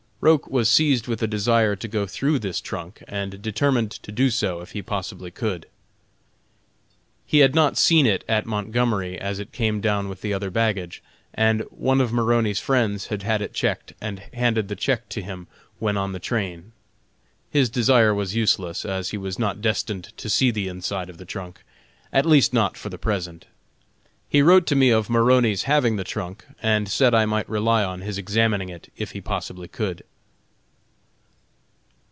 Roch was seized with a desire to go through this trunk, and determined to do so if he possibly could. He had not seen it at Montgomery as it came down with the other baggage, and one of Maroney's friends had had it checked and handed the check to him when on the train. His desire was useless, as he was not destined to see the inside of the trunk, at least not for the present. He wrote to me of Maroney's having the trunk, and said I might rely on his examining it if he possibly could.